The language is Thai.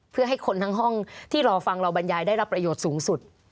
เพื่อให้คนทั้งห้องที่รอฟังเราบรรยายได้รับประโยชน์สูงสุด